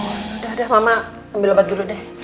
udah deh mama ambil obat dulu deh